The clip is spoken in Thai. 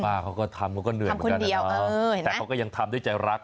เขาก็ทำเขาก็เหนื่อยเหมือนกันนะแต่เขาก็ยังทำด้วยใจรัก